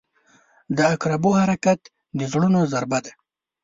• د عقربو حرکت د زړونو ضربه ده.